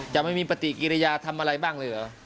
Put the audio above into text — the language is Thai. จะไม่มีปฏิกิริยาทำอะไรบ้างเลยเหรอ